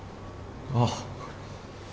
ああ。